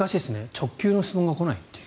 直球の質問が来ないっていう。